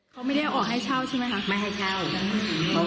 เขาไม่ได้ออกให้เช่าใช่ไหมคะ